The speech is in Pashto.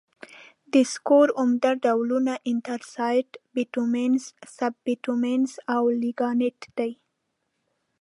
د سکرو عمده ډولونه انترسایت، بټومینس، سب بټومینس او لېګنایټ دي.